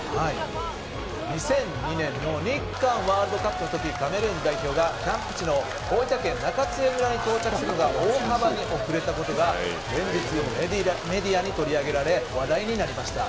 ２００２年の日韓ワールドカップの時カメルーン代表がキャンプ地の大分県中津江村に到着することが大幅に遅れたことが連日メディアに取り上げられ話題になりました。